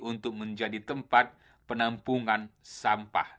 untuk menjadi tempat penampungan sampah